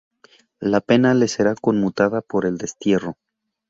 La pena le será conmutada por el destierro.